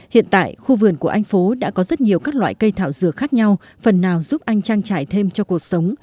hiện tại khu vườn của anh phố đã có rất nhiều các loại cây thảo dược khác nhau phần nào giúp anh trang trải thêm cho cuộc sống